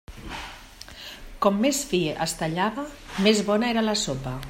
Com més fi es tallava, més bona era la sopa.